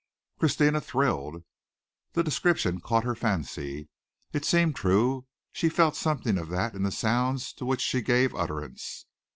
Christina thrilled. The description caught her fancy. It seemed true. She felt something of that in the sounds to which she gave utterance.